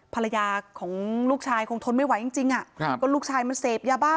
ภรรยาของลูกชายคงทนไม่ไหวจริงจริงอ่ะครับก็ลูกชายมันเสพยาบ้า